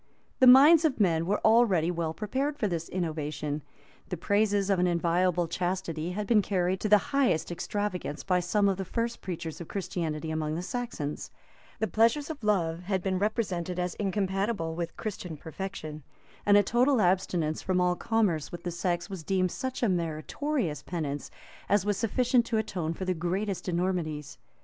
The minds of men were already well prepared for this innovation. The praises of an inviolable chastity had been carried to the highest extravagance by some of the first preachers of Christianity among the Saxons: the pleasures of love had been represented as incompatible with Christian perfection; and a total abstinence from all commerce with the sex was deemed such a meritorious penance, as was sufficient to atone for the greatest enormities.